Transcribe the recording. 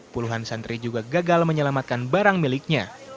puluhan santri juga gagal menyelamatkan barang miliknya